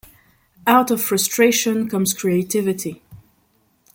Out of frustration comes creativity.